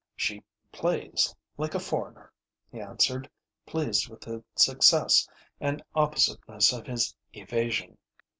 "She plays like a foreigner," he answered, pleased with the success and oppositeness of his evasion.